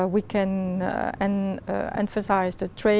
dựa dựa dựa